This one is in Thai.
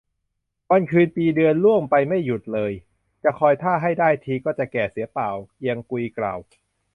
วันคืนปีเดือนล่วงไปไม่หยุดเลย จะคอยท่าให้ได้ทีก็จะแก่เสียเปล่า เกียงอุยกล่าว